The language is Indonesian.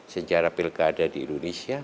sejarah pilgada di indonesia